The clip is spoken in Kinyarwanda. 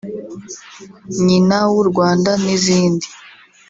“Nyina w’u Rwanda” n’izindi